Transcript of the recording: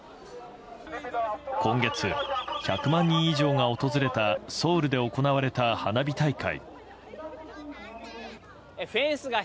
今月、１００万人以上が訪れたソウルで行われた花火大会。